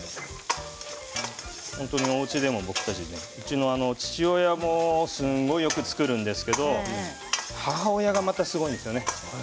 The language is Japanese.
本当におうちでもうちの父親もすごいよく作るんですけれど母親がまたすごいんですよね。